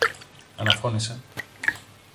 αναφώνησε